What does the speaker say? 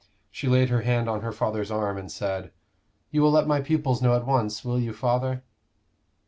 She laid her hand on her father's arm and said, "You will let my pupils know at once, will you, father?"